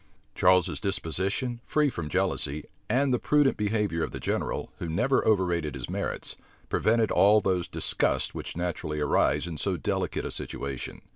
Charles's disposition, free from jealousy, and the prudent behavior of the general, who never overrated his merits, prevented all those disgusts which naturally arise in so delicate a situation.